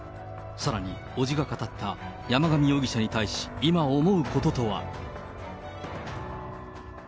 さらに伯父が語った、山上容疑者に対し、今、思うこととは。